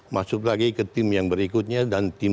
masuk lagi ke tim yang berikutnya dan tim